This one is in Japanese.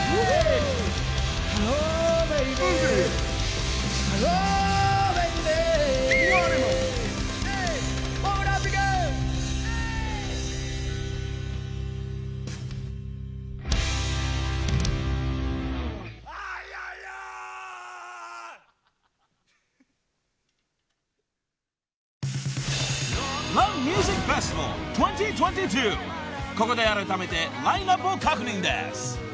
［ここであらためてラインアップを確認です］